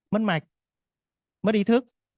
mất mạch mất ý thức